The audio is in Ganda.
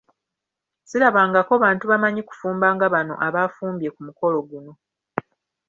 Sirabangako bantu bamanyi kufumba nga bano abaafumbye ku mukolo guno.